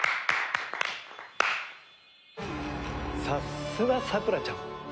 さすがさくらちゃん。